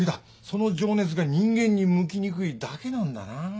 その情熱が人間に向きにくいだけなんだな。